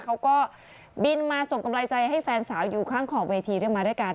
เขาก็บินมาส่งกำลังใจให้แฟนสาวอยู่ข้างขอบเวทีด้วยมาด้วยกัน